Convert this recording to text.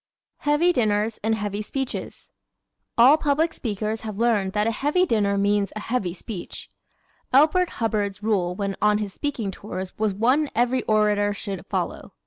Heavy Dinners and Heavy Speeches ¶ All public speakers have learned that a heavy dinner means a heavy speech. Elbert Hubbard's rule when on his speaking tours was one every orator should follow.